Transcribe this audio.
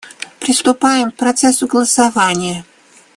Приступаем к процессу голосования.